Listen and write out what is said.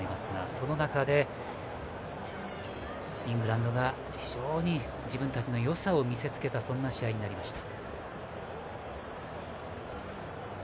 その中でイングランドが非常に自分たちのよさを見せ付けたそんな試合になりました。